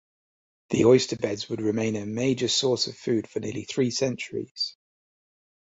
The oyster beds would remain a major source of food for nearly three centuries.